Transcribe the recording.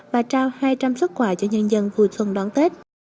và trao hai trăm linh xuất quà cho nhân dân vui xuân đón tết